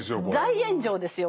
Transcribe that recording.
大炎上ですよ